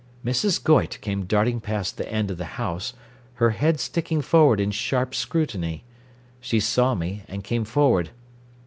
Mrs. Goyte came darting past the end of the house, her head sticking forward in sharp scrutiny. She saw me, and came forward.